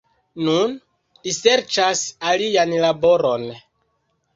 Nun li serĉas alian laboron.